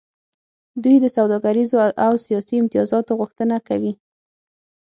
دوی د سوداګریزو او سیاسي امتیازاتو غوښتنه کوي